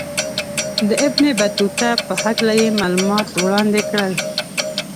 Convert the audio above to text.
د ابن بطوطه په هکله یې معلومات وړاندې کړل.